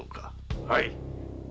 はい。